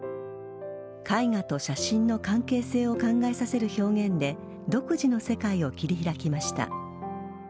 絵画と写真の関係性を考えさせる表現で独自の世界を切り開きました。